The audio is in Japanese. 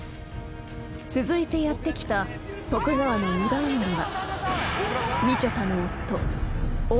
［続いてやって来た徳川の二番やりは］